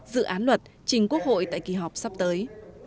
dự án luật trình quốc hội tại kỳ họp sắp tới